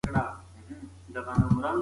د خوړو پاتې شوني په پوښ کې وساتئ.